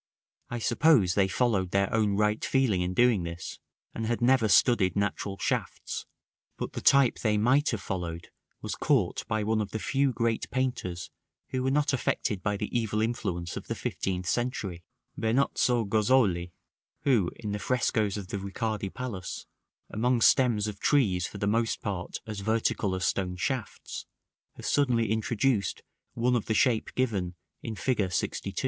I suppose they followed their own right feeling in doing this, and had never studied natural shafts; but the type they might have followed was caught by one of the few great painters who were not affected by the evil influence of the fifteenth century, Benozzo Gozzoli, who, in the frescoes of the Ricardi Palace, among stems of trees for the most part as vertical as stone shafts, has suddenly introduced one of the shape given in Fig. LXII.